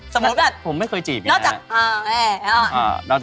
สมมุติแบบผมไม่เคยจีบอย่างเงี้ย